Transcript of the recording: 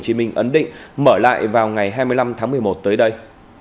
tnthhcm ấn định mở lại vào ngày hai mươi năm tháng một mươi một tới đây